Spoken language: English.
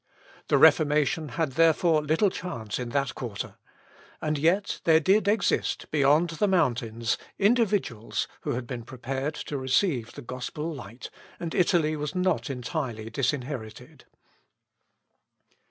The Reformation had therefore little chance in that quarter. And yet there did exist, beyond the mountains, individuals who had been prepared to receive the gospel light, and Italy was not entirely disinherited.